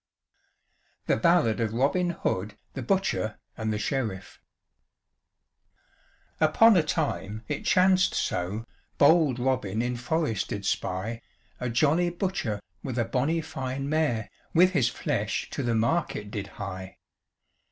THE BALLAD OF ROBIN HOOD, THE BUTCHER AND THE SHERIFF. Upon a time it chanced so, Bold Robin in forest did spy A jolly butcher, with a bonny fine mare, With his flesh to the market did hie.